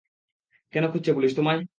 কেনো খুঁজছে পুলিশ তোমায়?